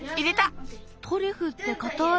トリュフってかたい。